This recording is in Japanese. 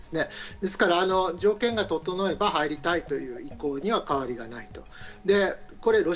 ですから条件が整えば入りたいという意向には変わりない。